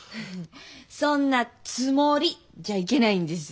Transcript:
そんな「つもり」じゃいけないんです。